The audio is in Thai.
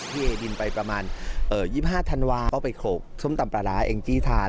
เอดินไปประมาณ๒๕ธันวาก็ไปโขลกส้มตำปลาร้าเองจี้ทาน